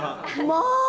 まあ！